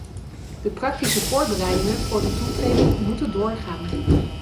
De praktische voorbereidingen voor de toetreding moeten doorgaan.